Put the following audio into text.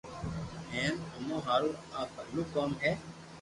ھين امو ھارون آ بلو ڪوم ھي